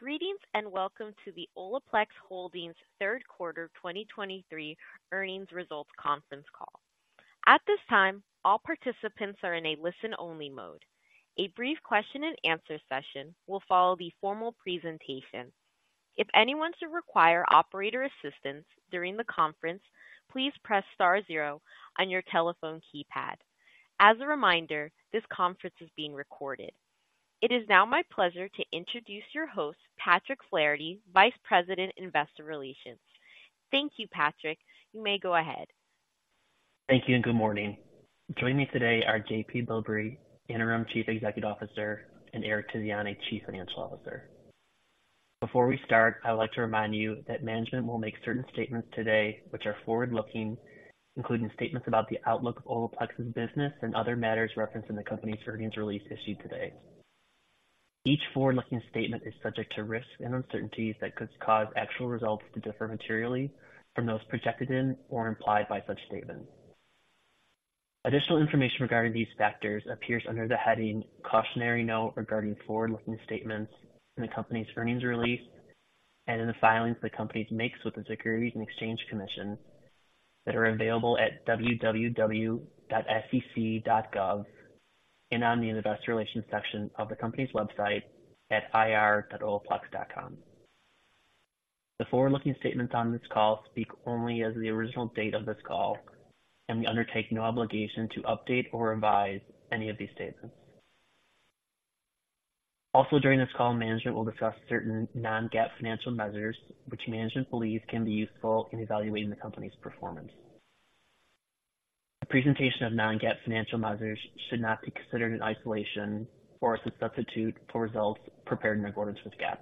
Greetings, and welcome to the OLAPLEX Holdings Q3 2023 Earnings Results Conference Call. At this time, all participants are in a listen-only mode. A brief Q&A session will follow the formal presentation. If anyone should require operator assistance during the conference, please press star zero on your telephone keypad. As a reminder, this conference is being recorded. It is now my pleasure to introduce your host, Patrick Flaherty, Vice President, Investor Relations. Thank you, Patrick. You may go ahead. Thank you, and good morning. Joining me today are JP Bilbrey, Interim Chief Executive Officer, and Eric Tiziani, Chief Financial Officer. Before we start, I would like to remind you that management will make certain statements today which are forward-looking, including statements about the outlook of OLAPLEX's business and other matters referenced in the company's earnings release issued today. Each forward-looking statement is subject to risks and uncertainties that could cause actual results to differ materially from those projected in or implied by such statements. Additional information regarding these factors appears under the heading "Cautionary Note Regarding Forward-Looking Statements" in the company's earnings release and in the filings the company makes with the Securities and Exchange Commission that are available at www.sec.gov and on the investor relations section of the company's website at ir.olaplex.com. The forward-looking statements on this call speak only as of the original date of this call, and we undertake no obligation to update or revise any of these statements. Also, during this call, management will discuss certain non-GAAP financial measures, which management believes can be useful in evaluating the company's performance. The presentation of non-GAAP financial measures should not be considered in isolation or as a substitute for results prepared in accordance with GAAP.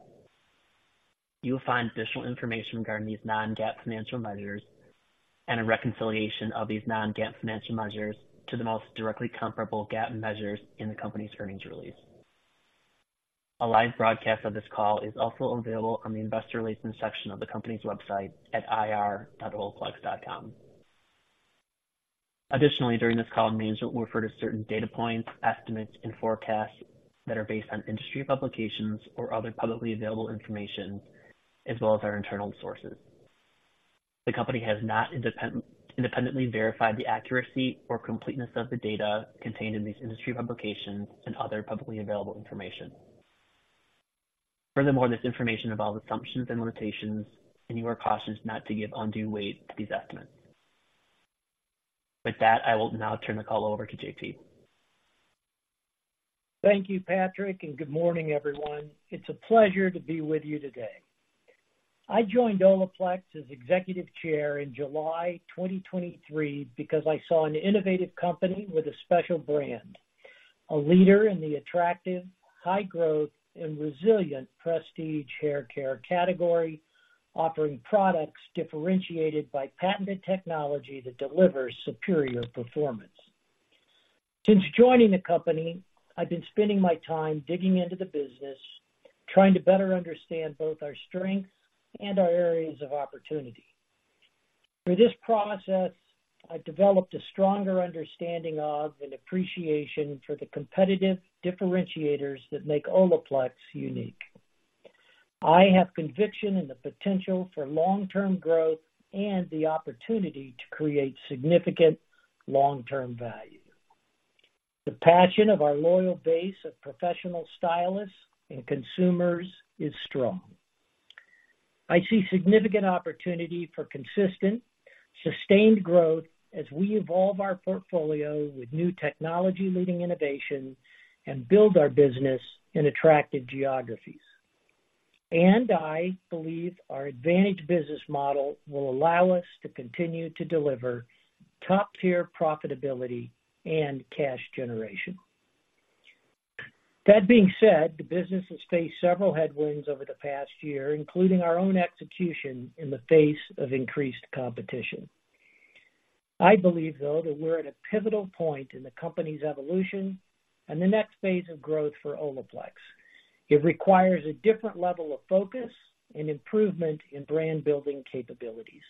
You will find additional information regarding these non-GAAP financial measures and a reconciliation of these non-GAAP financial measures to the most directly comparable GAAP measures in the company's earnings release. A live broadcast of this call is also available on the investor relations section of the company's website at ir.olaplex.com. Additionally, during this call, management will refer to certain data points, estimates, and forecasts that are based on industry publications or other publicly available information, as well as our internal sources. The company has not independently verified the accuracy or completeness of the data contained in these industry publications and other publicly available information. Furthermore, this information involves assumptions and limitations, and you are cautioned not to give undue weight to these estimates. With that, I will now turn the call over to JP. Thank you, Patrick, and good morning, everyone. It's a pleasure to be with you today. I joined OLAPLEX as Executive Chair in July 2023 because I saw an innovative company with a special brand, a leader in the attractive, high-growth, and resilient prestige hair care category, offering products differentiated by patented technology that delivers superior performance. Since joining the company, I've been spending my time digging into the business, trying to better understand both our strengths and our areas of opportunity. Through this process, I've developed a stronger understanding of and appreciation for the competitive differentiators that make OLAPLEX unique. I have conviction in the potential for long-term growth and the opportunity to create significant long-term value. The passion of our loyal base of professional stylists and consumers is strong. I see significant opportunity for consistent, sustained growth as we evolve our portfolio with new technology, leading innovation, and build our business in attractive geographies. And I believe our advantage business model will allow us to continue to deliver top-tier profitability and cash generation. That being said, the business has faced several headwinds over the past year, including our own execution in the face of increased competition. I believe, though, that we're at a pivotal point in the company's evolution and the next phase of growth for OLAPLEX. It requires a different level of focus and improvement in brand-building capabilities.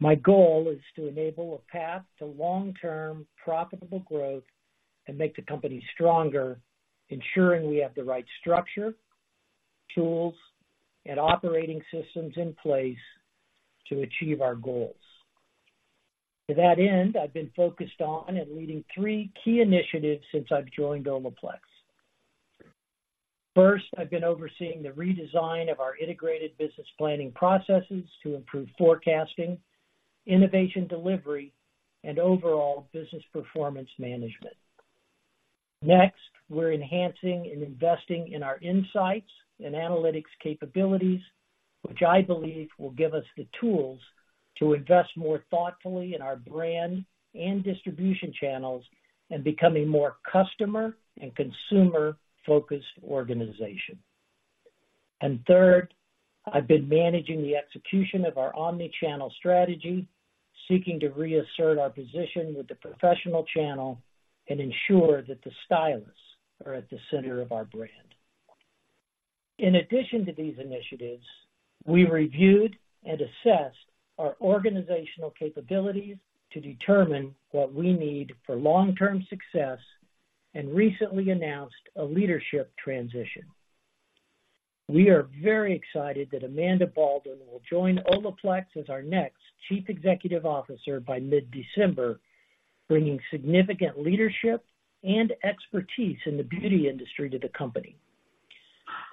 My goal is to enable a path to long-term, profitable growth and make the company stronger, ensuring we have the right structure, tools, and operating systems in place to achieve our goals. To that end, I've been focused on and leading three key initiatives since I've joined OLAPLEX. First, I've been overseeing the redesign of our integrated business planning processes to improve forecasting, innovation, delivery, and overall business performance management. Next, we're enhancing and investing in our insights and analytics capabilities, which I believe will give us the tools to invest more thoughtfully in our brand and distribution channels and become a more customer and consumer-focused organization. And third, I've been managing the execution of our omni-channel strategy, seeking to reassert our position with the professional channel and ensure that the stylists are at the center of our brand. In addition to these initiatives, we reviewed and assessed our organizational capabilities to determine what we need for long-term success and recently announced a leadership transition. We are very excited that Amanda Baldwin will join OLAPLEX as our next Chief Executive Officer by mid-December, bringing significant leadership and expertise in the beauty industry to the company.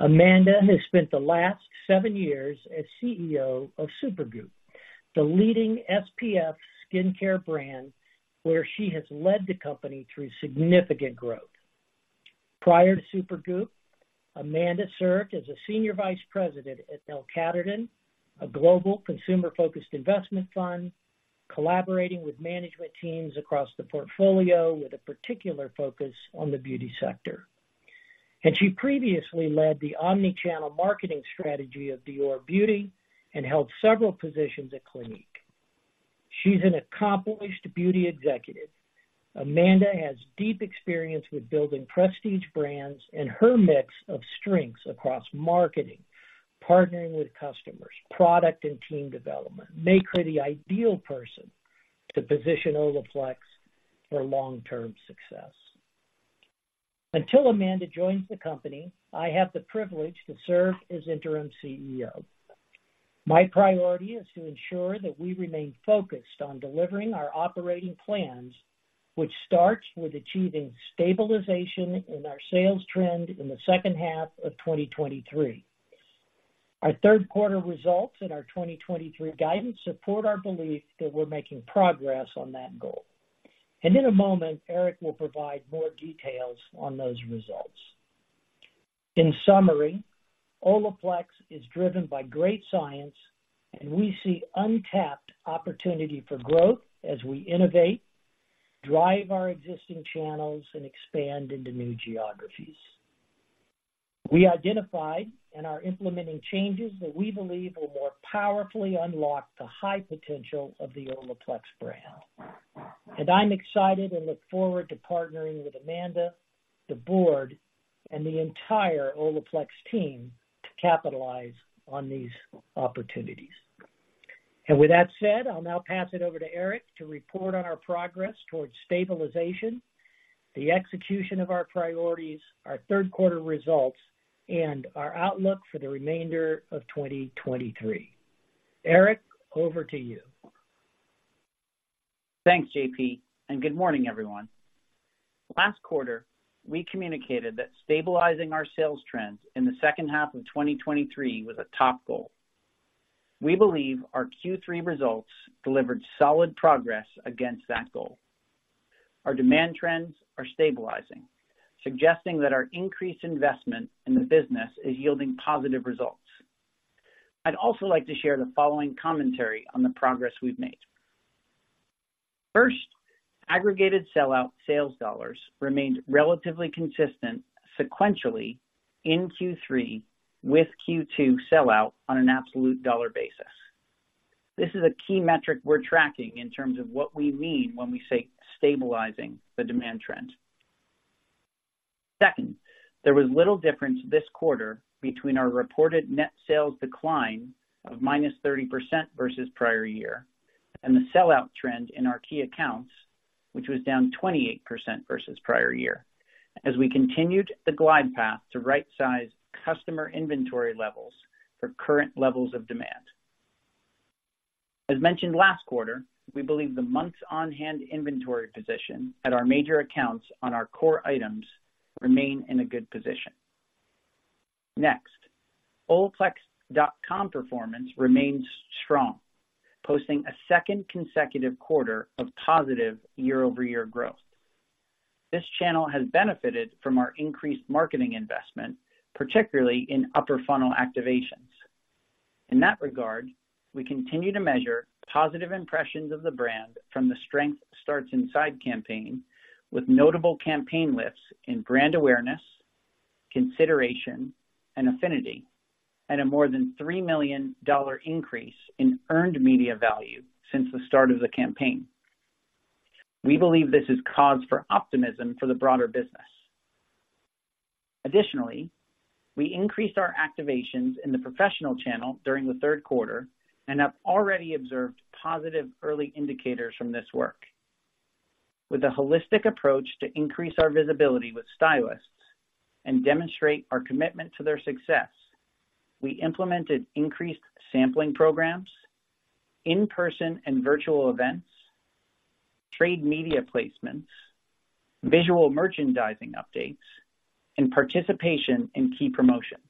Amanda has spent the last seven years as CEO of Supergoop!, the leading SPF skincare brand, where she has led the company through significant growth. Prior to Supergoop!, Amanda served as a Senior Vice President at L Catterton, a global consumer-focused investment fund, collaborating with management teams across the portfolio, with a particular focus on the beauty sector. She previously led the omni-channel marketing strategy of Dior Beauty and held several positions at Clinique. She's an accomplished beauty executive. Amanda has deep experience with building prestige brands, and her mix of strengths across marketing, partnering with customers, product and team development, make her the ideal person to position OLAPLEX for long-term success. Until Amanda joins the company, I have the privilege to serve as Interim CEO. My priority is to ensure that we remain focused on delivering our operating plans, which starts with achieving stabilization in our sales trend in the second half of 2023. Our Q3 results and our 2023 guidance support our belief that we're making progress on that goal. In a moment, Eric will provide more details on those results. In summary, OLAPLEX is driven by great science, and we see untapped opportunity for growth as we innovate, drive our existing channels, and expand into new geographies. We identified and are implementing changes that we believe will more powerfully unlock the high potential of the OLAPLEX brand. I'm excited and look forward to partnering with Amanda, the board, and the entire OLAPLEX team to capitalize on these opportunities. With that said, I'll now pass it over to Eric to report on our progress towards stabilization, the execution of our priorities, our Q3 results, and our outlook for the remainder of 2023. Eric, over to you. Thanks, JP, and good morning, everyone. Last quarter, we communicated that stabilizing our sales trends in the second half of 2023 was a top goal. We believe our Q3 results delivered solid progress against that goal. Our demand trends are stabilizing, suggesting that our increased investment in the business is yielding positive results. I'd also like to share the following commentary on the progress we've made. First, aggregated sell-out sales dollars remained relatively consistent sequentially in Q3 with Q2 sell-out on an absolute dollar basis. This is a key metric we're tracking in terms of what we mean when we say stabilizing the demand trend. Second, there was little difference this quarter between our reported Net Sales decline of -30% versus prior year, and the sell-out trend in our key accounts, which was down 28% versus prior year, as we continued the glide path to rightsize customer inventory levels for current levels of demand. As mentioned last quarter, we believe the months on-hand inventory position at our major accounts on our core items remain in a good position. Next, olaplex.com performance remains strong, posting a second consecutive quarter of positive year-over-year growth. This channel has benefited from our increased marketing investment, particularly in upper funnel activations. In that regard, we continue to measure positive impressions of the brand from the Strength Starts Inside campaign, with notable campaign lifts in brand awareness, consideration, and affinity, and a more than $3 million increase in earned media value since the start of the campaign. We believe this is cause for optimism for the broader business. Additionally, we increased our activations in the professional channel during the Q3 and have already observed positive early indicators from this work. With a holistic approach to increase our visibility with stylists and demonstrate our commitment to their success, we implemented increased sampling programs, in-person and virtual events, trade media placements, visual merchandising updates, and participation in key promotions.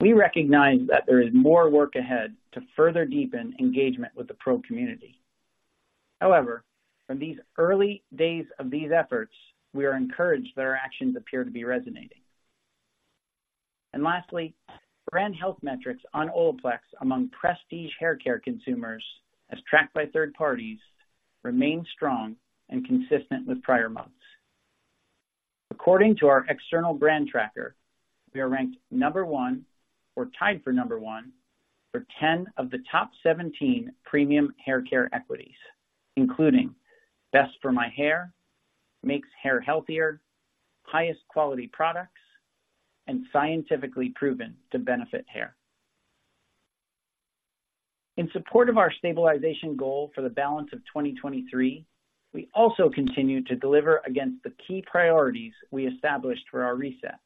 We recognize that there is more work ahead to further deepen engagement with the pro community. However, from these early days of these efforts, we are encouraged that our actions appear to be resonating. And lastly, brand health metrics on OLAPLEX among prestige hair care consumers, as tracked by third parties, remain strong and consistent with prior months. According to our external brand tracker, we are ranked number one or tied for number one for 10 of the top 17 premium hair care equities, including Best for My Hair, Makes Hair Healthier, highest quality products and scientifically proven to benefit hair. In support of our stabilization goal for the balance of 2023, we also continue to deliver against the key priorities we established for our reset.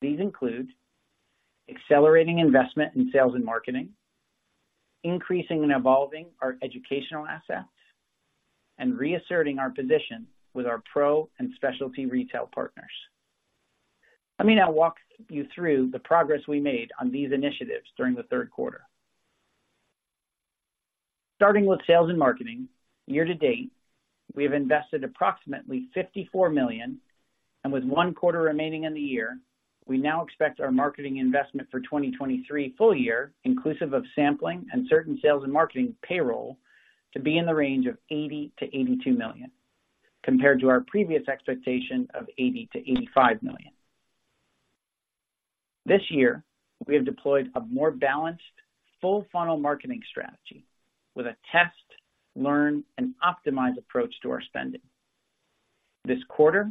These include accelerating investment in sales and marketing, increasing and evolving our educational assets, and reasserting our position with our Pro and specialty retail partners. Let me now walk you through the progress we made on these initiatives during the Q3. Starting with sales and marketing, year to date, we have invested approximately $54 million, and with one quarter remaining in the year, we now expect our marketing investment for 2023 full year, inclusive of sampling and certain sales and marketing payroll, to be in the range of $80 million to 82 million, compared to our previous expectation of $80 million to 85 million. This year, we have deployed a more balanced, full funnel marketing strategy with a test, learn, and optimize approach to our spending. This quarter,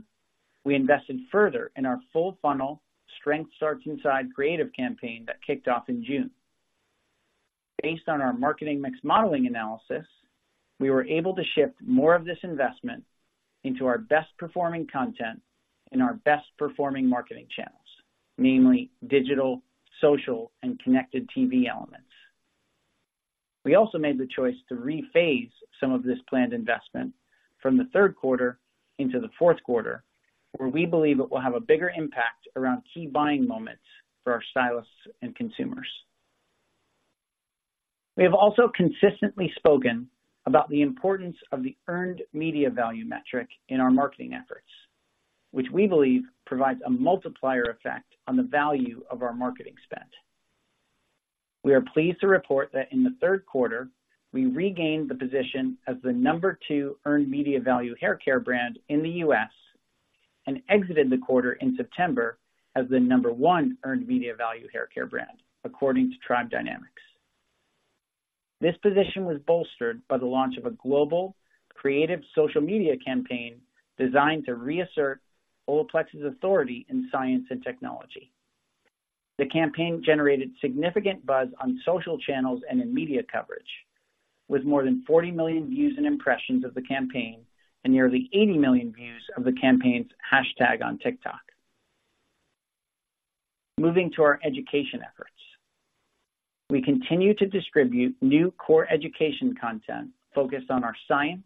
we invested further in our full funnel Strength Starts Inside creative campaign that kicked off in June. Based on our marketing mix modeling analysis, we were able to shift more of this investment into our best performing content in our best performing marketing channels, namely digital, social, and connected TV elements. We also made the choice to rephase some of this planned investment from the Q3 into the Q4, where we believe it will have a bigger impact around key buying moments for our stylists and consumers. We have also consistently spoken about the importance of the earned media value metric in our marketing efforts, which we believe provides a multiplier effect on the value of our marketing spend. We are pleased to report that in the Q3, we regained the position as the number two earned media value hair care brand in the U.S. and exited the quarter in September as the number one earned media value hair care brand, according to Tribe Dynamics. This position was bolstered by the launch of a global creative social media campaign designed to reassert OLAPLEX's authority in science and technology. The campaign generated significant buzz on social channels and in media coverage, with more than 40 million views and impressions of the campaign and nearly 80 million views of the campaign's hashtag on TikTok. Moving to our education efforts. We continue to distribute new core education content focused on our science,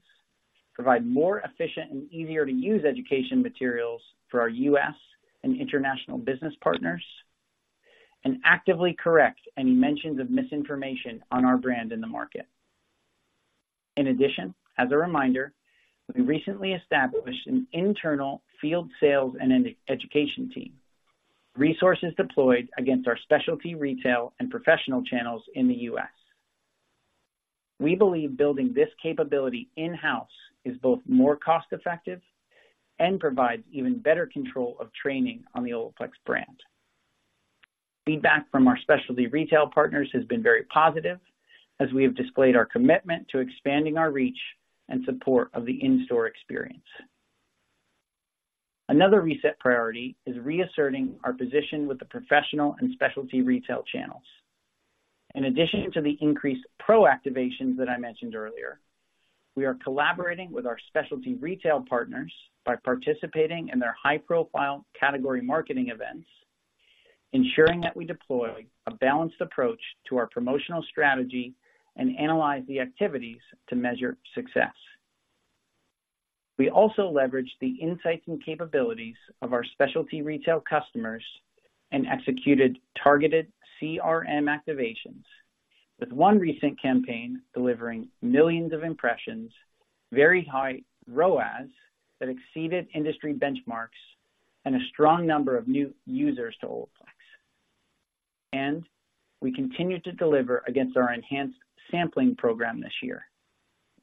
provide more efficient and easier-to-use education materials for our U.S. and international business partners, and actively correct any mentions of misinformation on our brand in the market. In addition, as a reminder, we recently established an internal field sales and education team, resources deployed against our specialty retail and professional channels in the U.S. We believe building this capability in-house is both more cost-effective and provides even better control of training on the OLAPLEX brand. Feedback from our specialty retail partners has been very positive as we have displayed our commitment to expanding our reach and support of the in-store experience. Another reset priority is reasserting our position with the professional and specialty retail channels. In addition to the increased proactivations that I mentioned earlier, we are collaborating with our specialty retail partners by participating in their high-profile category marketing events, ensuring that we deploy a balanced approach to our promotional strategy and analyze the activities to measure success. We also leveraged the insights and capabilities of our specialty retail customers and executed targeted CRM activations, with one recent campaign delivering millions of impressions, very high ROAS that exceeded industry benchmarks, and a strong number of new users to OLAPLEX. We continue to deliver against our enhanced sampling program this year,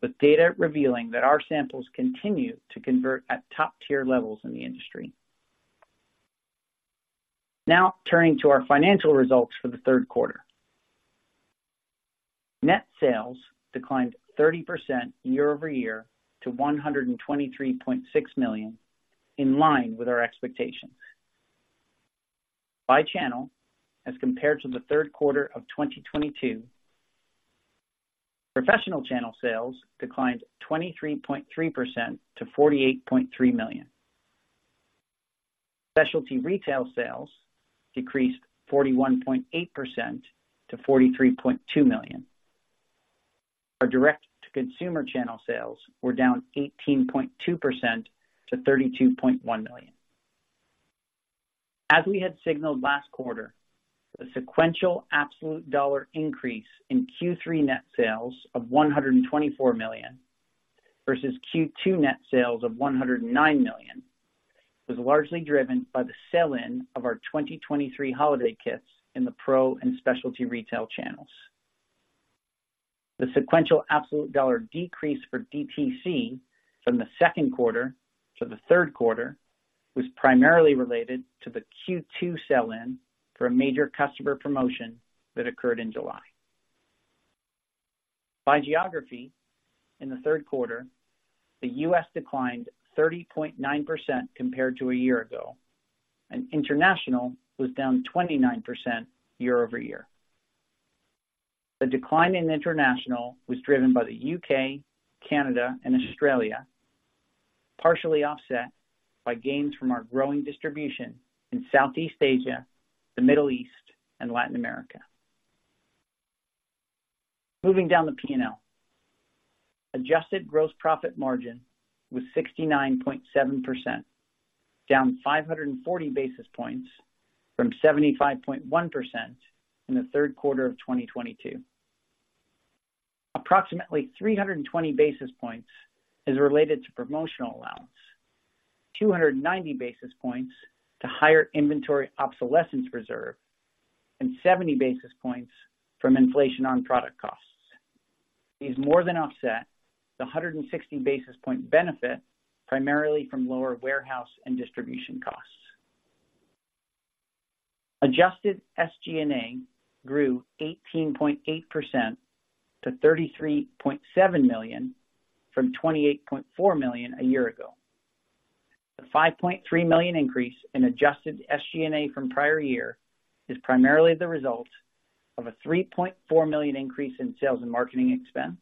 with data revealing that our samples continue to convert at top-tier levels in the industry. Now, turning to our financial results for the Q3. Net Sales declined 30% year-over-year to $123.6 million, in line with our expectations. By channel, as compared to the Q3 of 2022, Professional Channel sales declined 23.3% to $48.3 million. Specialty Retail sales decreased 41.8% to $43.2 million. Our direct-to-consumer channel sales were down 18.2% to $32.1 million. As we had signaled last quarter, the sequential absolute dollar increase in Q3 net sales of $124 million versus Q2 net sales of $109 million was largely driven by the sell-in of our 2023 holiday kits in the pro and specialty retail channels. The sequential absolute dollar decrease for DTC from the Q2 to the Q3 was primarily related to the Q2 sell-in for a major customer promotion that occurred in July. By geography, in the Q3, the U.S. declined 30.9% compared to a year ago, and international was down 29% year-over-year. The decline in international was driven by the U.K., Canada, and Australia, partially offset by gains from our growing distribution in Southeast Asia, the Middle East, and Latin America. Moving down the P&L. Adjusted gross profit margin was 69.7%, down 540 basis points from 75.1% in the Q3 of 2022. Approximately 320 basis points is related to promotional allowance, 290 basis points to higher inventory obsolescence reserve, and 70 basis points from inflation on product costs. These more than offset the 160 basis point benefit, primarily from lower warehouse and distribution costs. Adjusted SG&A grew 18.8% to $33.7 million, from $28.4 million a year ago. The $5.3 million increase in adjusted SG&A from prior year, is primarily the result of a $3.4 million increase in sales and marketing expense,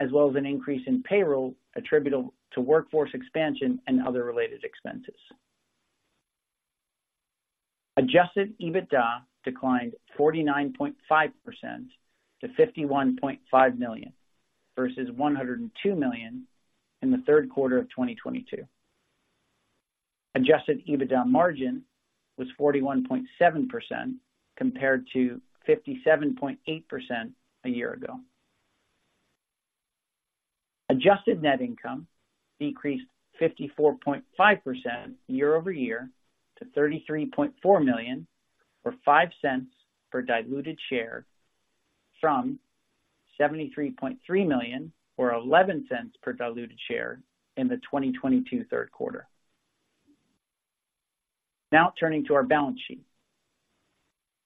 as well as an increase in payroll attributable to workforce expansion and other related expenses. Adjusted EBITDA declined 49.5% to $51.5 million, versus $102 million in the Q3 of 2022. Adjusted EBITDA margin was 41.7%, compared to 57.8% a year ago. Adjusted net income decreased 54.5% year-over-year to $33.4 million, or $0.05 per diluted share, from $73.3 million, or $0.11 per diluted share in the 2022 Q3. Now turning to our balance sheet.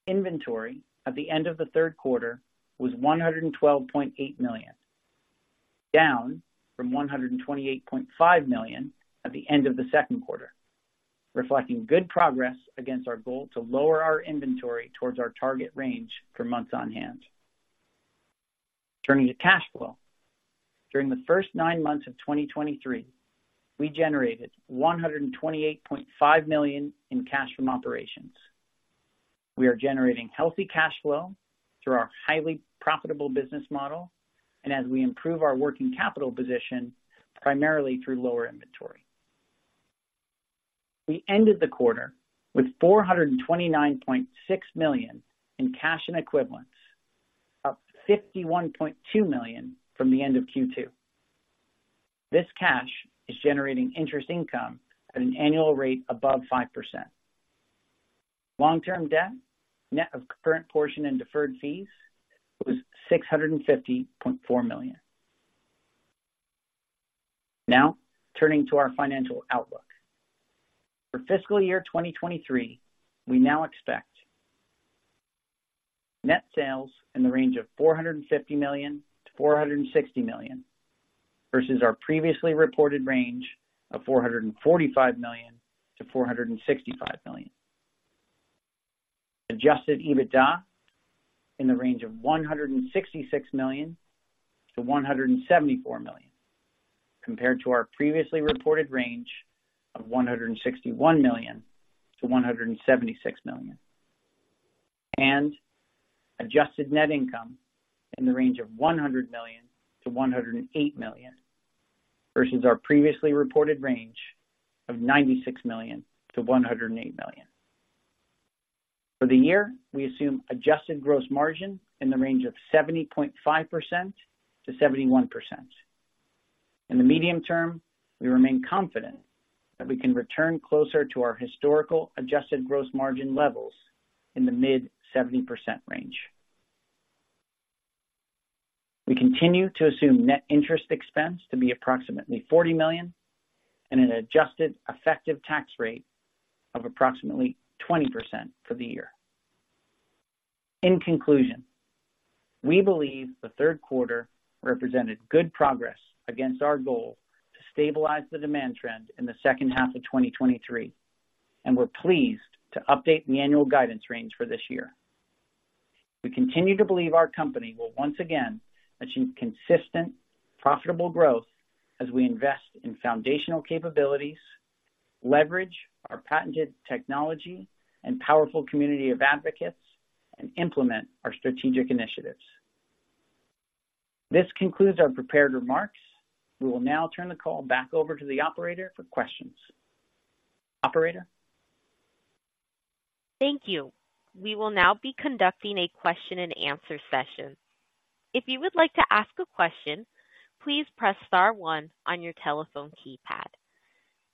Inventory at the end of the Q3 was $112.8 million, down from $128.5 million at the end of the Q2, reflecting good progress against our goal to lower our inventory towards our target range for months on hand. Turning to cash flow. During the first nine months of 2023, we generated $128.5 million in cash from operations. We are generating healthy cash flow through our highly profitable business model, and as we improve our working capital position, primarily through lower inventory. We ended the quarter with $429.6 million in cash and equivalents, up $51.2 million from the end of Q2. This cash is generating interest income at an annual rate above 5%. Long-term debt, net of current portion and deferred fees, was $650.4 million. Now, turning to our financial outlook. For fiscal year 2023, we now expect net sales in the range of $450 million to 460 million, versus our previously reported range of $445 million to 465 million. Adjusted EBITDA in the range of $166 million to 174 million, compared to our previously reported range of $161 million to 176 million. Adjusted net income in the range of $100 million to 108 million, versus our previously reported range of $96 million to 108 million. For the year, we assume adjusted gross margin in the range of 70.5% to 71%. In the medium term, we remain confident that we can return closer to our historical adjusted gross margin levels in the mid-70% range. We continue to assume net interest expense to be approximately $40 million and an adjusted effective tax rate of approximately 20% for the year. In conclusion, we believe the Q3 represented good progress against our goal to stabilize the demand trend in the second half of 2023, and we're pleased to update the annual guidance range for this year. We continue to believe our company will once again achieve consistent, profitable growth as we invest in foundational capabilities, leverage our patented technology and powerful community of advocates, and implement our strategic initiatives. This concludes our prepared remarks. We will now turn the call back over to the operator for questions. Operator? Thank you. We will now be conducting a Q&A session. If you would like to ask a question, please press star one on your telephone keypad.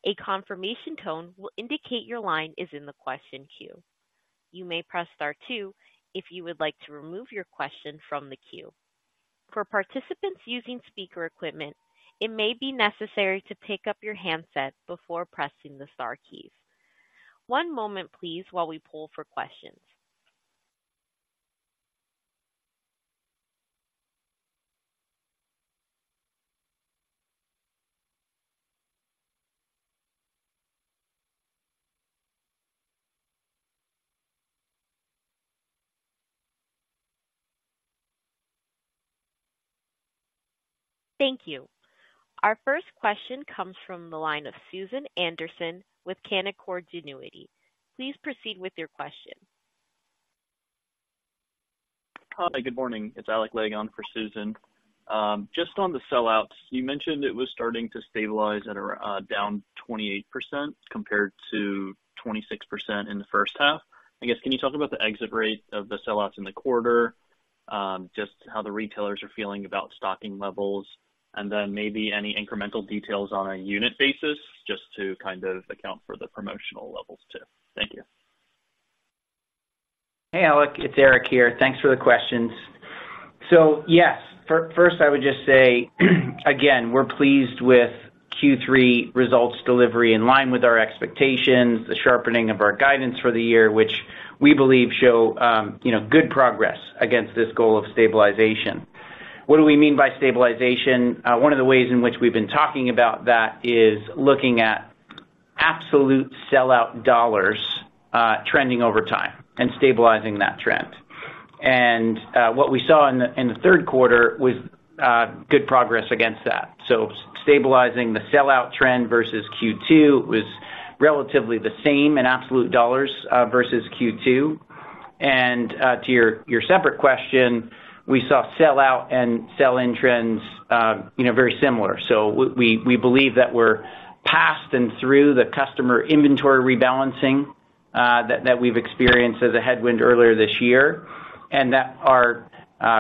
A confirmation tone will indicate your line is in the question queue. You may press star two if you would like to remove your question from the queue. For participants using speaker equipment, it may be necessary to pick up your handset before pressing the star keys. One moment, please, while we poll for questions. Thank you. Our first question comes from the line of Susan Anderson with Canaccord Genuity. Please proceed with your question. Hi, good morning. It's Alec Legg on for Susan. Just on the sellouts, you mentioned it was starting to stabilize at down 28% compared to 26% in the first half. I guess, can you talk about the exit rate of the sellouts in the quarter? Just how the retailers are feeling about stocking levels, and then maybe any incremental details on a unit basis, just to kind of account for the promotional levels, too. Thank you. Hey, Alec, it's Eric here. Thanks for the questions. So, yes, first, I would just say, again, we're pleased with Q3 results delivery in line with our expectations, the sharpening of our guidance for the year, which we believe show, you know, good progress against this goal of stabilization. What do we mean by stabilization? One of the ways in which we've been talking about that is looking at absolute sellout dollars, trending over time and stabilizing that trend. And, what we saw in the Q3 was, good progress against that. So stabilizing the sellout trend versus Q2 was relatively the same in absolute dollars, versus Q2. And, to your separate question, we saw sellout and sell-in trends, you know, very similar. So we believe that we're past and through the customer inventory rebalancing that we've experienced as a headwind earlier this year, and that our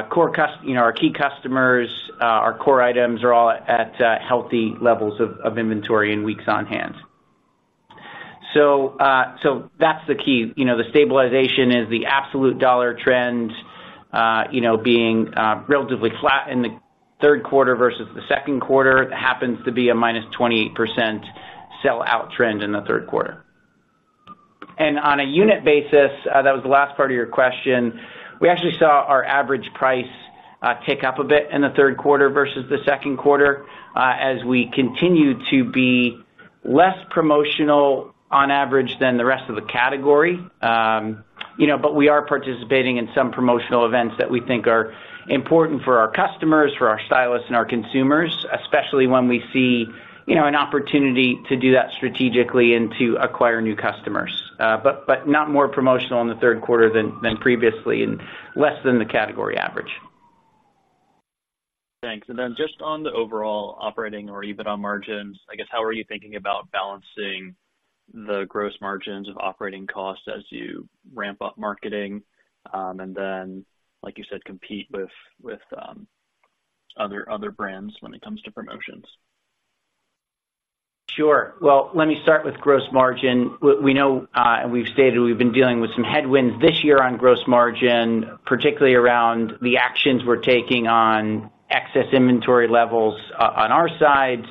core customers, you know, our key customers, our core items are all at healthy levels of inventory in weeks on hand. So that's the key. You know, the stabilization is the absolute dollar trend, you know, being relatively flat in the Q3 versus the Q2. It happens to be a -28% sellout trend in the Q3. And on a unit basis, that was the last part of your question. We actually saw our average price tick up a bit in the Q3 versus the Q2, as we continue to be less promotional on average than the rest of the category. You know, but we are participating in some promotional events that we think are important for our customers, for our stylists and our consumers, especially when we see, you know, an opportunity to do that strategically and to acquire new customers. But not more promotional in the Q3 than previously and less than the category average. Thanks. And then just on the overall operating or EBITDA margins, I guess, how are you thinking about balancing the gross margins of operating costs as you ramp up marketing? And then, like you said, compete with other brands when it comes to promotions. Sure. Well, let me start with gross margin. We know, and we've stated we've been dealing with some headwinds this year on gross margin, particularly around the actions we're taking on excess inventory levels on our side,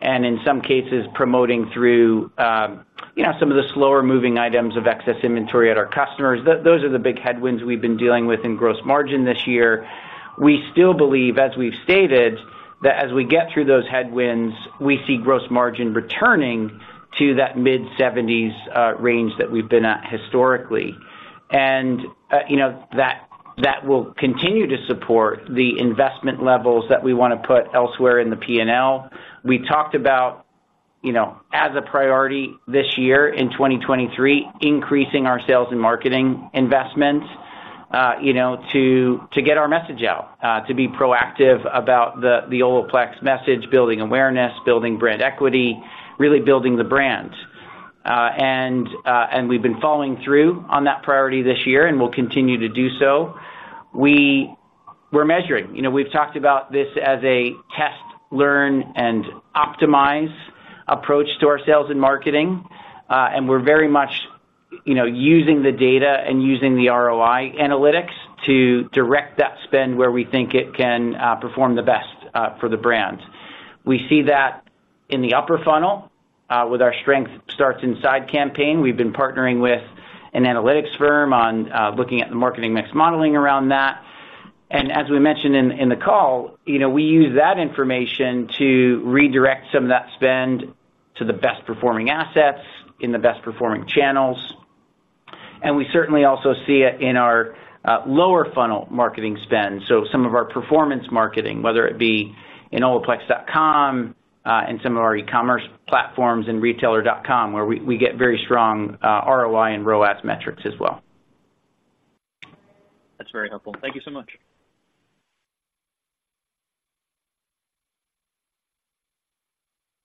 and in some cases promoting through, you know, some of the slower moving items of excess inventory at our customers. Those are the big headwinds we've been dealing with in gross margin this year. We still believe, as we've stated, that as we get through those headwinds, we see gross margin returning to that mid-seventies range that we've been at historically. And, you know, that will continue to support the investment levels that we wanna put elsewhere in the P&L. We talked about, you know, as a priority this year in 2023, increasing our sales and marketing investments, you know, to get our message out, to be proactive about the OLAPLEX message, building awareness, building brand equity, really building the brand. And we've been following through on that priority this year, and we'll continue to do so. We're measuring. You know, we've talked about this as a test, learn, and optimize approach to our sales and marketing, and we're very much, you know, using the data and using the ROI analytics to direct that spend where we think it can perform the best for the brand. We see that in the upper funnel with our Strength Starts Inside campaign. We've been partnering with an analytics firm on looking at the marketing mix modeling around that. As we mentioned in, in the call, you know, we use that information to redirect some of that spend to the best performing assets in the best performing channels. And we certainly also see it in our lower funnel marketing spend. So some of our performance marketing, whether it be in olaplex.com and some of our e-commerce platforms in retailer.com, where we get very strong ROI and ROAS metrics as well. That's very helpful. Thank you so much.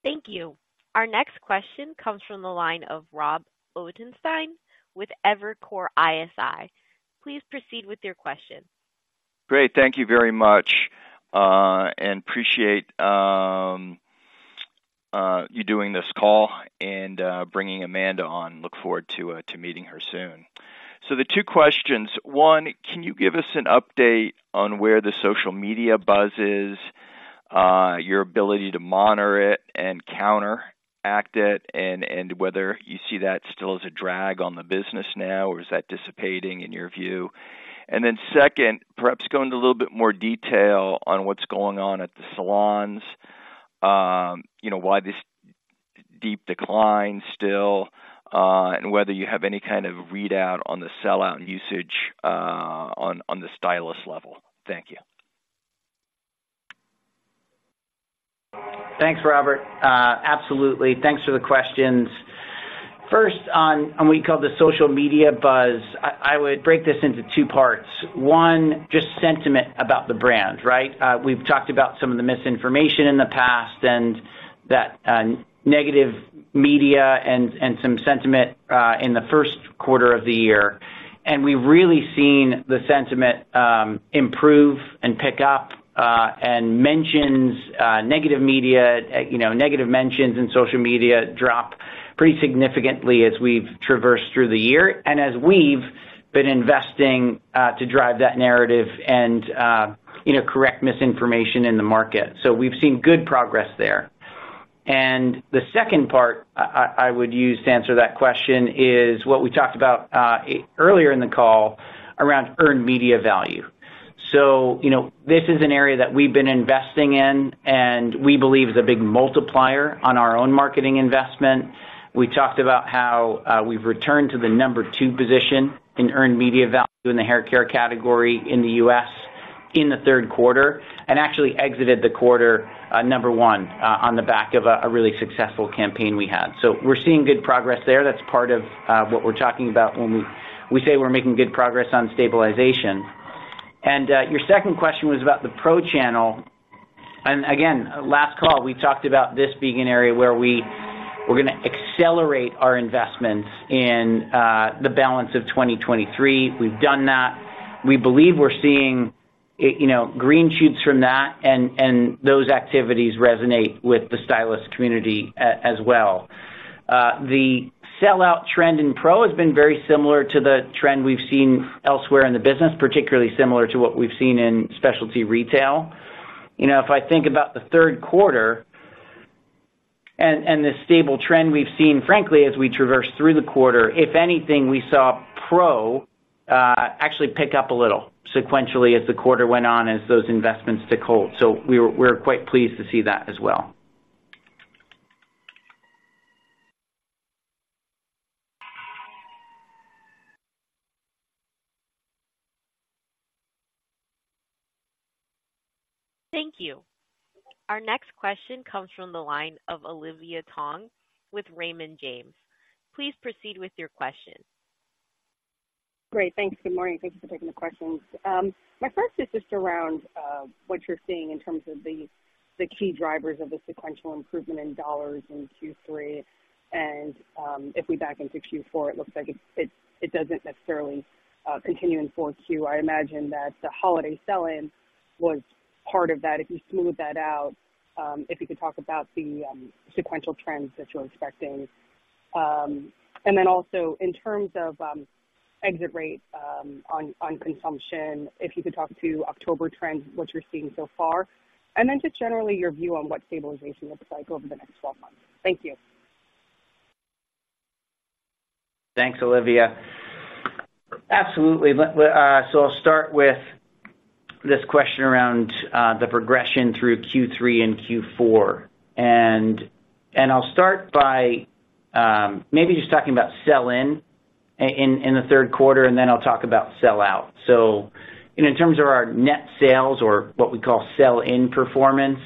Thank you. Our next question comes from the line of Rob Ottenstein with Evercore ISI. Please proceed with your question. Great. Thank you very much, and appreciate you doing this call and bringing Amanda on. Look forward to to meeting her soon. So the two questions: One, can you give us an update on where the social media buzz is? Your ability to monitor it and counteract it, and, and whether you see that still as a drag on the business now, or is that dissipating in your view? And then second, perhaps go into a little bit more detail on what's going on at the salons. You know, why this deep decline still, and whether you have any kind of readout on the sellout and usage, on, on the stylist level. Thank you. Thanks, Robert. Absolutely. Thanks for the questions. First, on what we call the social media buzz. I would break this into two parts. One, just sentiment about the brand, right? We've talked about some of the misinformation in the past and that negative media and some sentiment in the Q1 of the year. And we've really seen the sentiment improve and pick up and mentions negative media, you know, negative mentions in social media drop pretty significantly as we've traversed through the year and as we've been investing to drive that narrative and you know correct misinformation in the market. So we've seen good progress there. And the second part I would use to answer that question is what we talked about earlier in the call around Earned Media Value. So, you know, this is an area that we've been investing in, and we believe is a big multiplier on our own marketing investment. We talked about how we've returned to the number two position in earned media value in the hair care category in the U.S. in the Q3, and actually exited the quarter at number one on the back of a really successful campaign we had. So we're seeing good progress there. That's part of what we're talking about when we say we're making good progress on stabilization. And your second question was about the pro channel. And again, last call, we talked about this being an area where we're gonna accelerate our investments in the balance of 2023. We've done that. We believe we're seeing, you know, green shoots from that, and those activities resonate with the stylist community as well. The sellout trend in pro has been very similar to the trend we've seen elsewhere in the business, particularly similar to what we've seen in specialty retail. You know, if I think about the Q3 and the stable trend we've seen, frankly, as we traversed through the quarter, if anything, we saw pro actually pick up a little sequentially as the quarter went on, as those investments took hold. So we're quite pleased to see that as well. Thank you. Our next question comes from the line of Olivia Tong with Raymond James. Please proceed with your question. Great. Thanks. Good morning. Thank you for taking the questions. My first is just around what you're seeing in terms of the key drivers of the sequential improvement in dollars in Q3. And if we back into Q4, it looks like it doesn't necessarily continue in 4Q. I imagine that the holiday sell-in was part of that. If you smooth that out, if you could talk about the sequential trends that you're expecting. And then also in terms of exit rate on consumption, if you could talk to October trends, what you're seeing so far, and then just generally your view on what stabilization looks like over the next 12 months. Thank you. Thanks, Olivia. Absolutely. So I'll start with this question around the progression through Q3 and Q4. I'll start by maybe just talking about sell-in in the Q3, and then I'll talk about sell-out. So, you know, in terms of our net sales or what we call sell-in performance,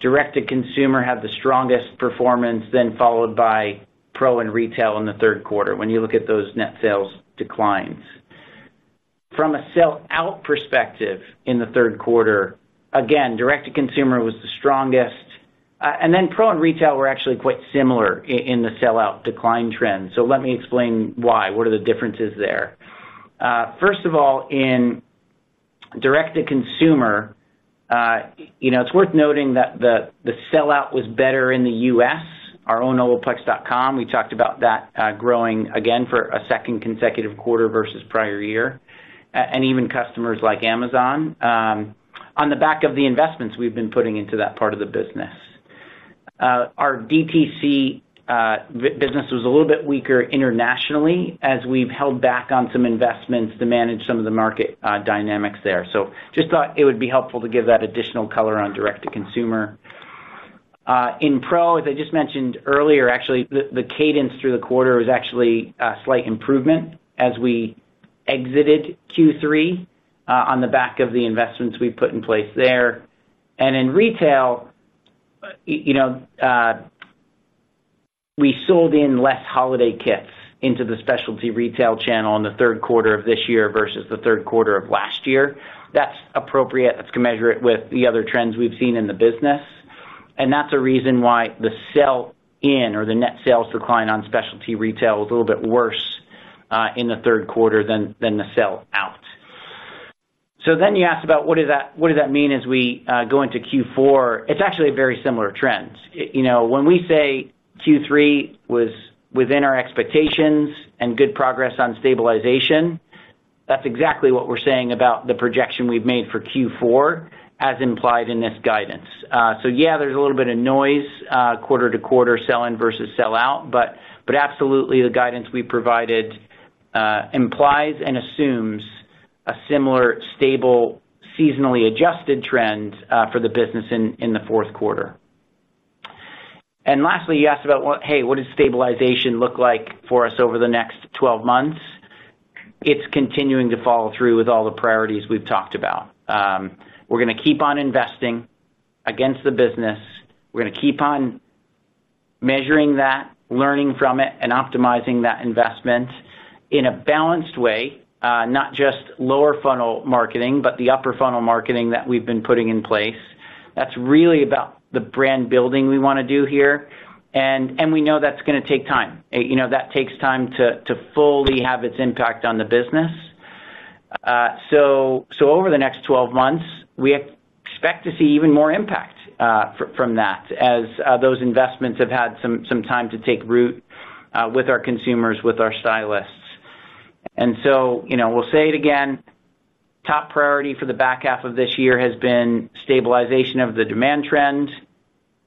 direct-to-consumer had the strongest performance, then followed by pro and retail in the Q3, when you look at those net sales declines. From a sell-out perspective in the Q3, again, direct-to-consumer was the strongest, and then pro and retail were actually quite similar in the sell-out decline trend. So let me explain why, what are the differences there. First of all, in direct-to-consumer, you know, it's worth noting that the sell-out was better in the U.S., our own olaplex.com. We talked about that, growing again for a second consecutive quarter versus prior year, and even customers like Amazon, on the back of the investments we've been putting into that part of the business. Our DTC business was a little bit weaker internationally as we've held back on some investments to manage some of the market dynamics there. So just thought it would be helpful to give that additional color on direct-to-consumer. In pro, as I just mentioned earlier, actually, the cadence through the quarter was actually a slight improvement as we exited Q3, on the back of the investments we put in place there. And in retail, you know, we sold in less holiday kits into the specialty retail channel in the Q3 of this year versus the Q3 of last year. That's appropriate. Let's measure it with the other trends we've seen in the business, and that's a reason why the sell-in or the net sales decline on specialty retail was a little bit worse in the Q3 than the sell out. So then you asked about what does that, what does that mean as we go into Q4? It's actually a very similar trend. You know, when we say Q3 was within our expectations and good progress on stabilization. That's exactly what we're saying about the projection we've made for Q4, as implied in this guidance. So yeah, there's a little bit of noise quarter-to-quarter, sell-in versus sell-out, but absolutely, the guidance we provided implies and assumes a similar stable, seasonally adjusted trend for the business in the Q4. Lastly, you asked about what does stabilization look like for us over the next 12 months? It's continuing to follow through with all the priorities we've talked about. We're gonna keep on investing against the business. We're gonna keep on measuring that, learning from it, and optimizing that investment in a balanced way, not just lower funnel marketing, but the upper funnel marketing that we've been putting in place. That's really about the brand building we wanna do here, and we know that's gonna take time. You know, that takes time to fully have its impact on the business. So, over the next 12 months, we expect to see even more impact from that, as those investments have had some time to take root with our consumers, with our stylists. And so, you know, we'll say it again, top priority for the back half of this year has been stabilization of the demand trend.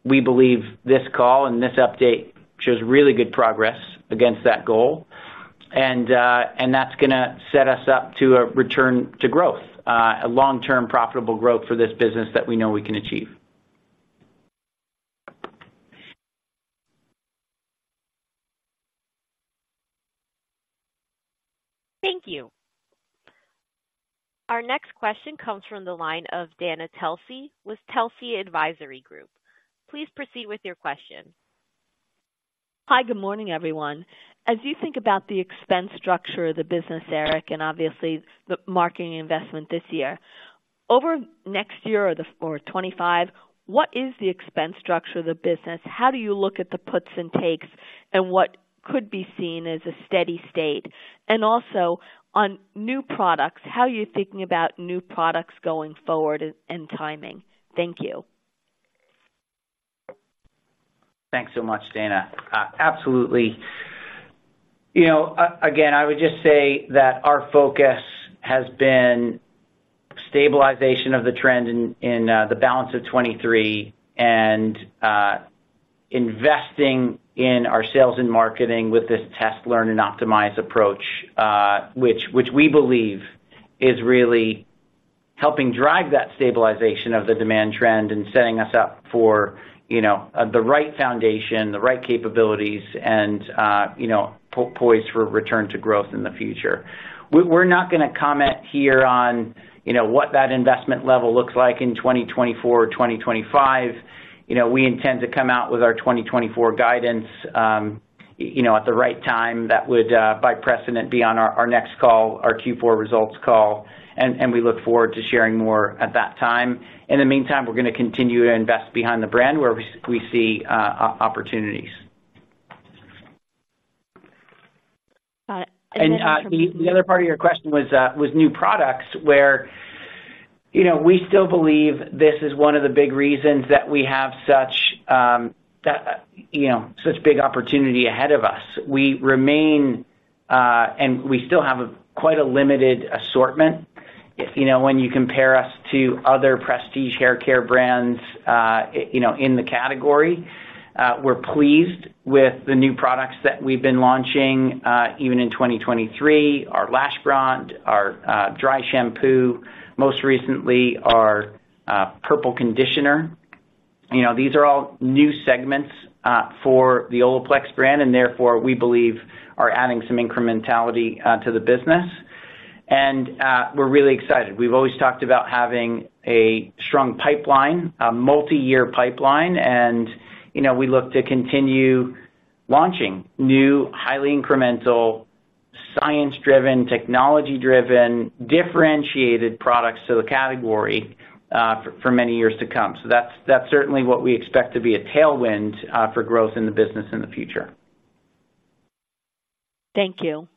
We believe this call and this update shows really good progress against that goal, and that's gonna set us up to a return to growth, a long-term profitable growth for this business that we know we can achieve. Thank you. Our next question comes from the line of Dana Telsey with Telsey Advisory Group. Please proceed with your question. Hi, good morning, everyone. As you think about the expense structure of the business, Eric, and obviously, the marketing investment this year. Over next year or 2025, what is the expense structure of the business? How do you look at the puts and takes and what could be seen as a steady state? And also, on new products, how are you thinking about new products going forward and timing? Thank you. Thanks so much, Dana. Absolutely. You know, again, I would just say that our focus has been stabilization of the trend in the balance of 2023 and investing in our sales and marketing with this test, learn and optimize approach, which we believe is really helping drive that stabilization of the demand trend and setting us up for, you know, the right foundation, the right capabilities, and, you know, poised for return to growth in the future. We're not gonna comment here on, you know, what that investment level looks like in 2024 or 2025. You know, we intend to come out with our 2024 guidance, you know, at the right time. That would, by precedent, be on our next call, our Q4 results call, and we look forward to sharing more at that time. In the meantime, we're gonna continue to invest behind the brand where we see opportunities. Uh, And, the other part of your question was new products, where, you know, we still believe this is one of the big reasons that we have such, you know, such big opportunity ahead of us. We remain, and we still have quite a limited assortment, if, you know, when you compare us to other prestige haircare brands, you know, in the category, we're pleased with the new products that we've been launching, even in 2023, our lash brand, our dry shampoo, most recently, our purple conditioner. You know, these are all new segments, for the OLAPLEX brand, and therefore, we believe are adding some incrementality to the business. And, we're really excited. We've always talked about having a strong pipeline, a multi-year pipeline, and, you know, we look to continue launching new, highly incremental, science-driven, technology-driven, differentiated products to the category for many years to come. So that's certainly what we expect to be a tailwind for growth in the business in the future. Thank you.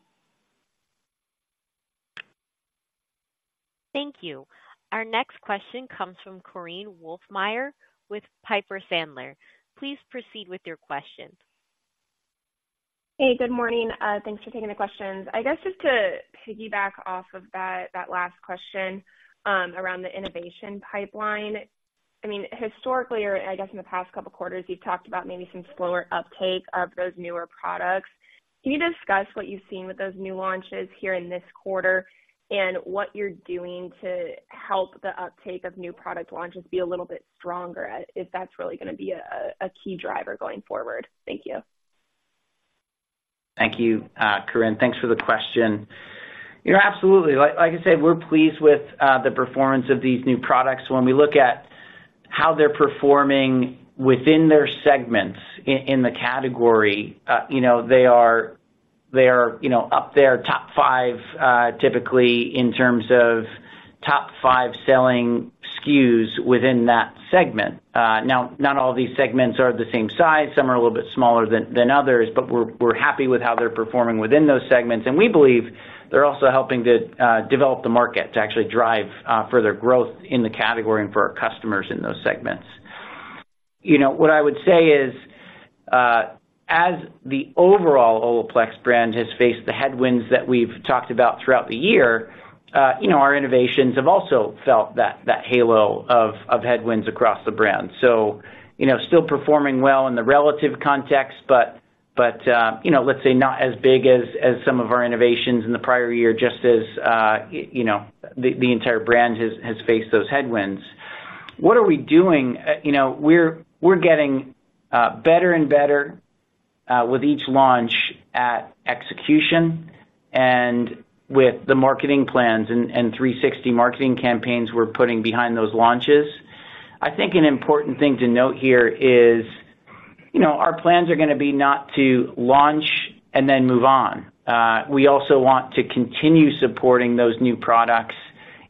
Thank you. Our next question comes from Korinne Wolfmeyer with Piper Sandler. Please proceed with your question. Hey, good morning. Thanks for taking the questions. I guess, just to piggyback off of that, that last question, around the innovation pipeline. I mean, historically, or I guess in the past couple of quarters, you've talked about maybe some slower uptake of those newer products. Can you discuss what you've seen with those new launches here in this quarter, and what you're doing to help the uptake of new product launches be a little bit stronger, if that's really gonna be a key driver going forward? Thank you. Thank you, Korinne. Thanks for the question. You know, absolutely. Like I said, we're pleased with the performance of these new products. When we look at how they're performing within their segments in the category, you know, they are, you know, up there, top five, typically, in terms of top five selling SKUs within that segment. Now, not all of these segments are the same size. Some are a little bit smaller than others, but we're happy with how they're performing within those segments, and we believe they're also helping to develop the market, to actually drive further growth in the category and for our customers in those segments. You know, what I would say is, as the overall OLAPLEX brand has faced the headwinds that we've talked about throughout the year, you know, our innovations have also felt that halo of headwinds across the brand. So, you know, still performing well in the relative context, but, you know, let's say not as big as some of our innovations in the prior year, just as, you know, the entire brand has faced those headwinds. What are we doing? You know, we're getting better and better with each launch at execution and with the marketing plans and 360 marketing campaigns we're putting behind those launches. I think an important thing to note here is, you know, our plans are gonna be not to launch and then move on. We also want to continue supporting those new products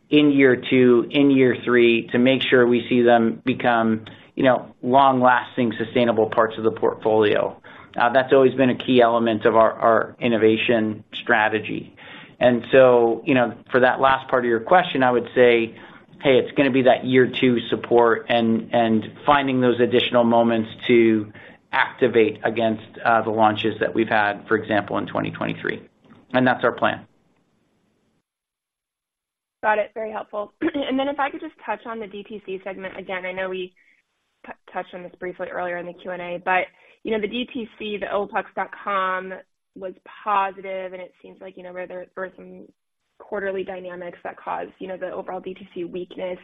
in year two, in year three, to make sure we see them become, you know, long-lasting, sustainable parts of the portfolio. That's always been a key element of our, our innovation strategy. And so, you know, for that last part of your question, I would say, hey, it's gonna be that year two support and, and finding those additional moments to activate against, the launches that we've had, for example, in 2023, and that's our plan. Got it. Very helpful. And then if I could just touch on the DTC segment again, I know we touched on this briefly earlier in the Q&A, but, you know, the DTC, the olaplex.com, was positive, and it seems like, you know, there, there were some quarterly dynamics that caused, you know, the overall DTC weakness.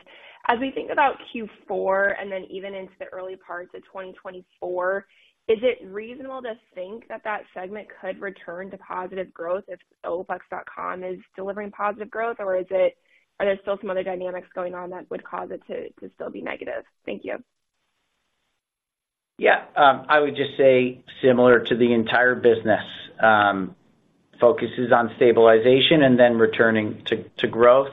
As we think about Q4 and then even into the early parts of 2024, is it reasonable to think that that segment could return to positive growth if olaplex.com is delivering positive growth, or are there still some other dynamics going on that would cause it to still be negative? Thank you. Yeah, I would just say similar to the entire business, focuses on stabilization and then returning to growth.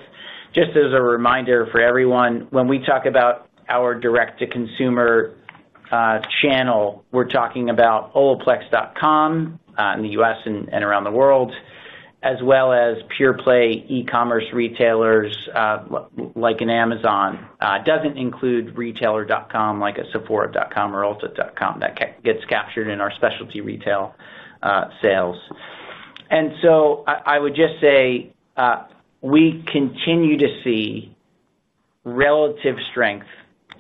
Just as a reminder for everyone, when we talk about our direct-to-consumer channel, we're talking about olaplex.com in the U.S. and around the world, as well as pure-play e-commerce retailers like Amazon. It doesn't include retailer.com, like a sephora.com or ulta.com that gets captured in our specialty retail sales. And so I would just say, we continue to see relative strength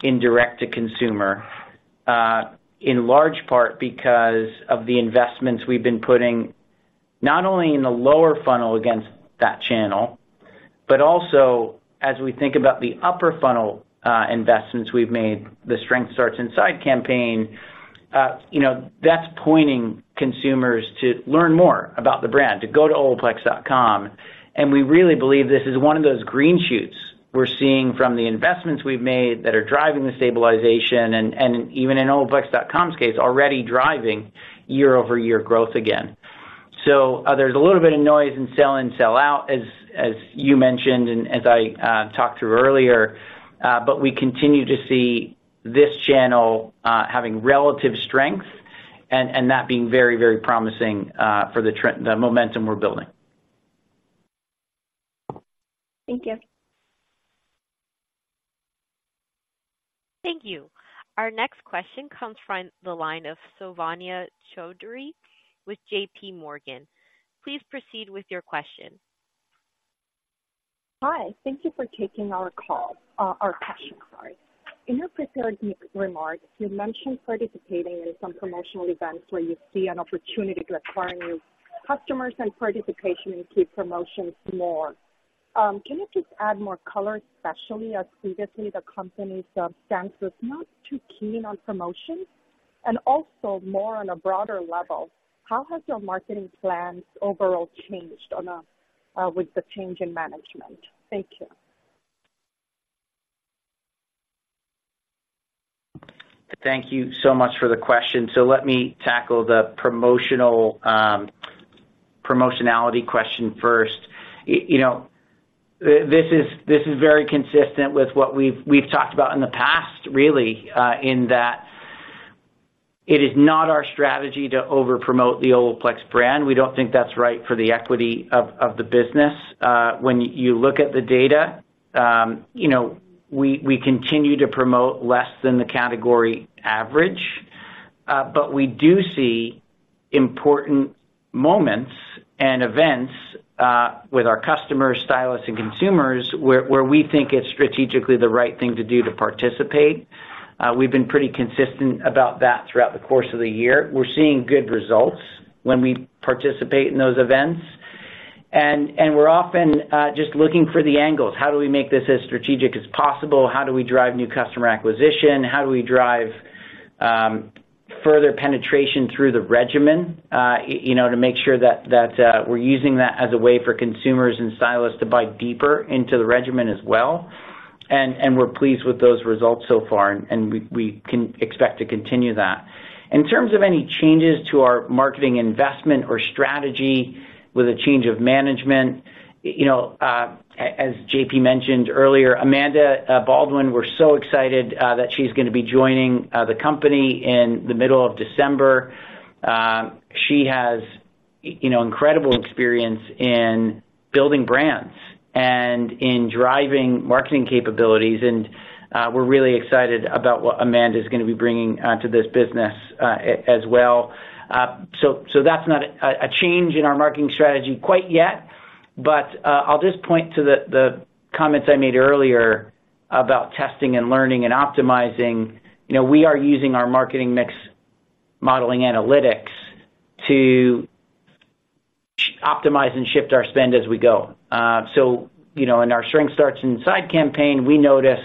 in direct-to-consumer, in large part because of the investments we've been putting, not only in the lower funnel against that channel, but also as we think about the upper funnel, investments we've made, the Strength Starts Inside campaign, you know, that's pointing consumers to learn more about the brand, to go to olaplex.com, and we really believe this is one of those green shoots we're seeing from the investments we've made that are driving the stabilization and even in olaplex.com case, already driving year-over-year growth again. So, there's a little bit of noise in sell-in and sell-out, as you mentioned, and as I talked to earlier, but we continue to see this channel having relative strength and that being very, very promising for the trend, the momentum we're building. Thank you. Thank you. Our next question comes from the line of Shivani Choudhary with JPMorgan. Please proceed with your question. Hi, thank you for taking our call, our question, sorry. In your prepared remarks, you mentioned participating in some promotional events where you see an opportunity to acquire new customers and participation in key promotions more. Can you just add more color, especially as previously the company's stance was not too keen on promotions? And also more on a broader level, how has your marketing plans overall changed on a, with the change in management? Thank you. Thank you so much for the question. So let me tackle the promotional, promotionality question first. You know, this is very consistent with what we've talked about in the past, really, in that it is not our strategy to over-promote the OLAPLEX brand. We don't think that's right for the equity of the business. When you look at the data, you know, we continue to promote less than the category average, but we do see important moments and events with our customers, stylists, and consumers, where we think it's strategically the right thing to do to participate. We've been pretty consistent about that throughout the course of the year. We're seeing good results when we participate in those events. And we're often just looking for the angles. How do we make this as strategic as possible? How do we drive new customer acquisition? How do we drive further penetration through the regimen, you know, to make sure that we're using that as a way for consumers and stylists to buy deeper into the regimen as well? And we're pleased with those results so far, and we can expect to continue that. In terms of any changes to our marketing investment or strategy with a change of management, you know, as JP mentioned earlier, Amanda Baldwin, we're so excited that she's gonna be joining the company in the middle of December. She has, you know, incredible experience in building brands and in driving marketing capabilities, and we're really excited about what Amanda's gonna be bringing to this business as well. So that's not a change in our marketing strategy quite yet, but I'll just point to the comments I made earlier about testing and learning and optimizing. You know, we are using our Marketing Mix Modeling analytics to optimize and shift our spend as we go. So, you know, in our Strength Starts Inside campaign, we noticed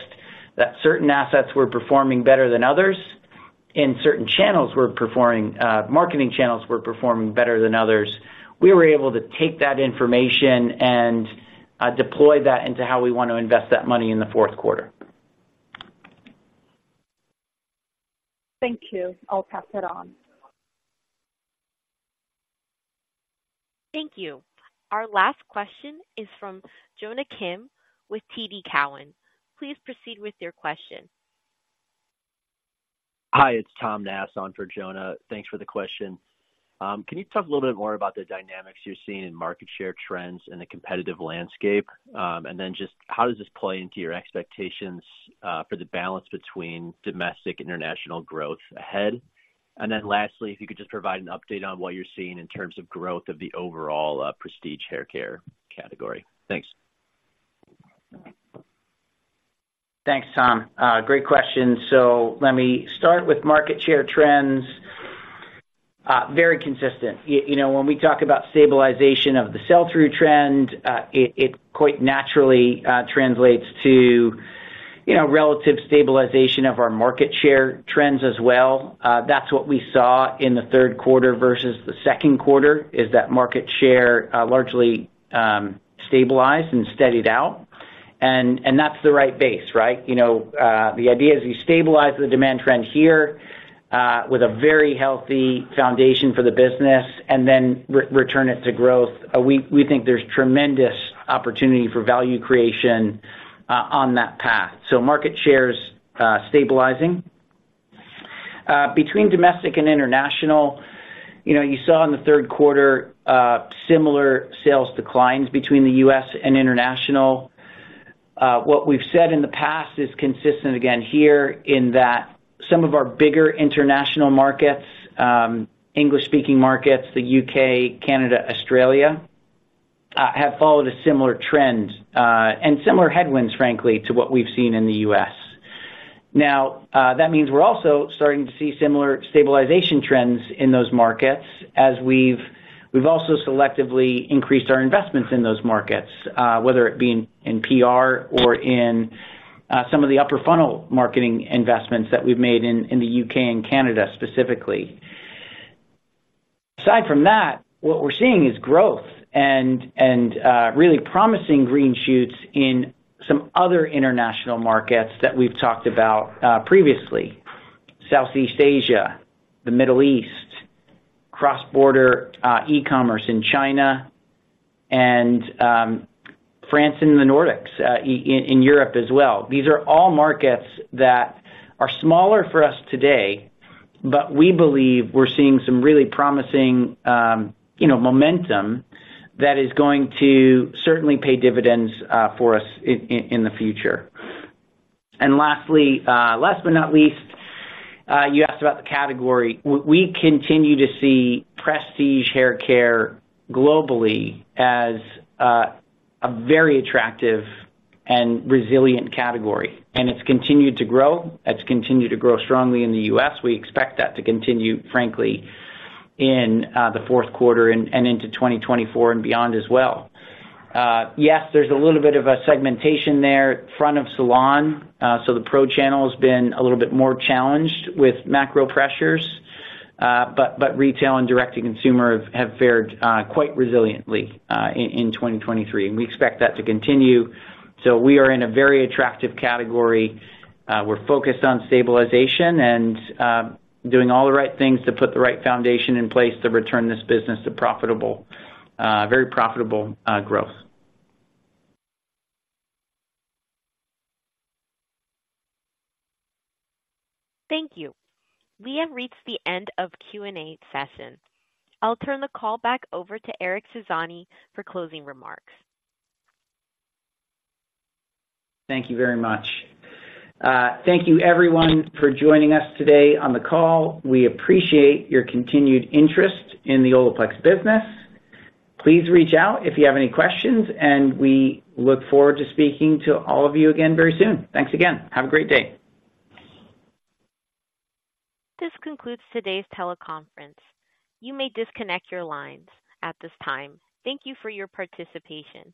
that certain assets were performing better than others, and certain marketing channels were performing better than others. We were able to take that information and deploy that into how we want to invest that money in the Q4. Thank you. I'll pass it on. Thank you. Our last question is from Jonna Kim with TD Cowen. Please proceed with your question. Hi, it's Tom Nass on for Jonna. Thanks for the question. Can you talk a little bit more about the dynamics you're seeing in market share trends and the competitive landscape? And then just how does this play into your expectations, for the balance between domestic international growth ahead? And then lastly, if you could just provide an update on what you're seeing in terms of growth of the overall, prestige hair care category. Thanks. Thanks, Tom. Great question. So let me start with market share trends. Very consistent. You know, when we talk about stabilization of the sell-through trend, it quite naturally translates to, you know, relative stabilization of our market share trends as well. That's what we saw in the Q3 versus the Q2, is that market share largely stabilized and steadied out, and that's the right base, right? You know, the idea is you stabilize the demand trend here, with a very healthy foundation for the business and then return it to growth. We think there's tremendous opportunity for value creation on that path. So market share's stabilizing. Between domestic and international, you know, you saw in the Q3, similar sales declines between the U.S. and international. What we've said in the past is consistent again here, in that some of our bigger international markets, English-speaking markets, the U.K., Canada, Australia, have followed a similar trend and similar headwinds, frankly, to what we've seen in the U.S. Now, that means we're also starting to see similar stabilization trends in those markets as we've also selectively increased our investments in those markets, whether it be in PR or in some of the upper funnel marketing investments that we've made in the U.K. and Canada, specifically. Aside from that, what we're seeing is growth and really promising green shoots in some other international markets that we've talked about previously. Southeast Asia, the Middle East, cross-border e-commerce in China, and France and the Nordics in Europe as well. These are all markets that are smaller for us today, but we believe we're seeing some really promising, you know, momentum that is going to certainly pay dividends for us in the future. And lastly, last but not least, you asked about the category. We continue to see prestige haircare globally as a very attractive and resilient category, and it's continued to grow. It's continued to grow strongly in the U.S. We expect that to continue, frankly, in the Q4 and into 2024 and beyond as well. Yes, there's a little bit of a segmentation there, front of salon. So the pro channel's been a little bit more challenged with macro pressures, but retail and direct to consumer have fared quite resiliently in 2023, and we expect that to continue. We are in a very attractive category. We're focused on stabilization and doing all the right things to put the right foundation in place to return this business to profitable, very profitable growth. Thank you. We have reached the end of Q&A session. I'll turn the call back over to Eric Tiziani for closing remarks. Thank you very much. Thank you everyone for joining us today on the call. We appreciate your continued interest in the OLAPLEX business. Please reach out if you have any questions, and we look forward to speaking to all of you again very soon. Thanks again. Have a great day. This concludes today's teleconference. You may disconnect your lines at this time. Thank you for your participation.